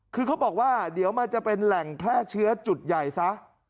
คือเขาบอกว่าเดี๋ยวมันจะเป็นแหล่งแพร่เชื้อจุดใหญ่ซะ